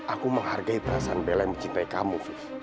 aku menghargai perasaan bella yang mencintai kamu